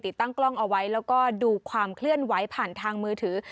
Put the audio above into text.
ตั้งกล้องเอาไว้แล้วก็ดูความเคลื่อนไหวผ่านทางมือถือ